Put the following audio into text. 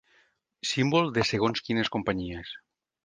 Símbol de segons quines companyies.